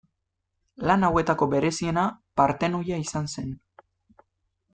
Lan hauetako bereziena Partenoia izan zen.